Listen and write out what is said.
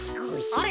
あれ？